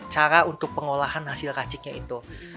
cara untuk pengolahan hasil raciknya itu